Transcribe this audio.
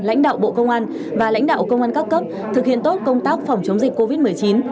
lãnh đạo bộ công an và lãnh đạo công an các cấp thực hiện tốt công tác phòng chống dịch covid một mươi chín